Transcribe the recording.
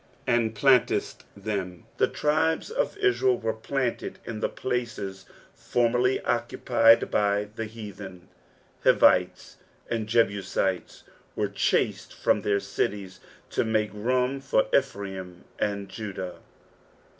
"And planttdtt them." The tribe* of In«el were planted in the places formerly occupied by the heathen. Hivites and Jebusitea were chased from their cities to make room for Ephraim and Jndsh.